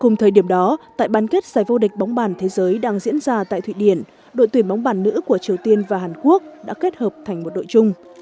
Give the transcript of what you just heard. giải vô địch bóng bàn thế giới đang diễn ra tại thụy điển đội tuyển bóng bàn nữ của triều tiên và hàn quốc đã kết hợp thành một đội chung